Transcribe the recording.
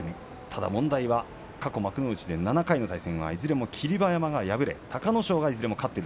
ただ問題は過去、幕内で７回の対戦いずれも霧馬山が敗れています。